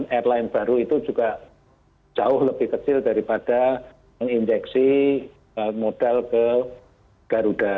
airline baru itu juga jauh lebih kecil daripada menginjeksi modal ke garuda